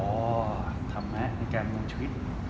โอ้ธรรมะในแก่โมงชีวิต